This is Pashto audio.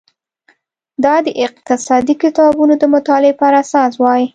دا د اقتصادي کتابونو د مطالعې پر اساس وای.